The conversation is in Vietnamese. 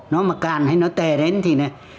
nó mà càn hay nó tè đến thì